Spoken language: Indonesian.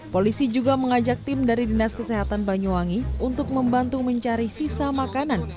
polisi juga mengajak tim dari dinas kesehatan banyuwangi untuk membantu mencari sisa makanan